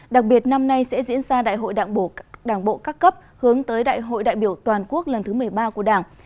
đặc biệt năm nay sẽ diễn ra đại bộ các cấp hướng tới đại hội đại biểu toàn quốc lần thứ một mươi ba của đảng